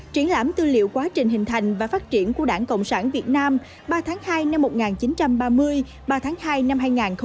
triển lãm tư liệu quá trình hình thành và phát triển của đảng cộng sản việt nam ba tháng hai năm một nghìn chín trăm ba mươi ba tháng hai năm hai nghìn hai mươi